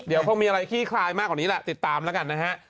เดี๋ยวคงมีอะไรขี้คลายมากกว่านี้แหละติดตามแล้วกันนะฮะ